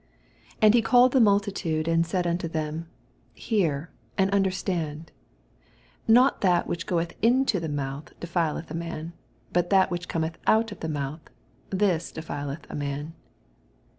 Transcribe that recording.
10 And he called the mnltitado, and said onto thenii Hear, and nuderBtand ; 11 Not that whicn ffoeth into the month defileth a man ; out that which oometh ont of the month, thia defileth a man.